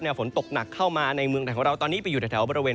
ฝนตกหนักเข้ามาในเมืองไทยของเราตอนนี้ไปอยู่ในแถวบริเวณ